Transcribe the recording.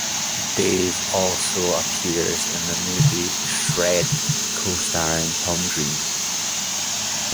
Dave also appears in the movie "Shred", costarring Tom Green.